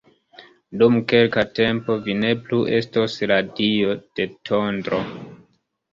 Dum kelka tempo vi ne plu estos la Dio de Tondro!